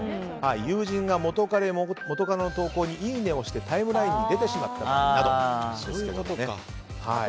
友人が元彼・元カノの投稿をいいねをして、タイムラインに出てしまった時などですね。